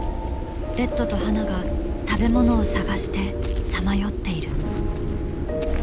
レッドとハナが食べ物を探してさまよっている。